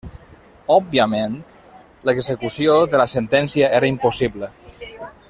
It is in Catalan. Òbviament l'execució de la sentència era impossible.